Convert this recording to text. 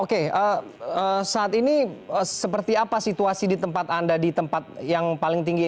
oke saat ini seperti apa situasi di tempat anda di tempat yang paling tinggi